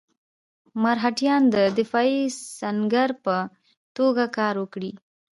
مرهټیان د دفاعي سنګر په توګه کار ورکړي.